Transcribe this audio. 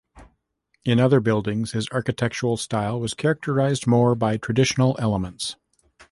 In other buildings, his architectural style was characterized more by traditional elements.